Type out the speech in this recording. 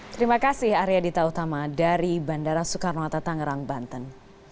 terima kasih arya dita utama dari bandara soekarno hatta tangerang banten